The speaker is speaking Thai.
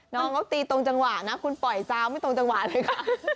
น้องเขาตีตรงจังหวะนะคุณปล่อยซาวไม่ตรงจังหวะเลยค่ะ